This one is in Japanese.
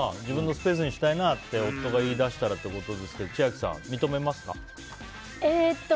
自分のスペースにしたいなって夫が言い出したらってことですけど千秋さん、認めますか？